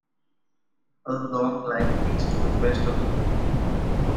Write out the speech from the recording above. A long lake lies to the west of the city.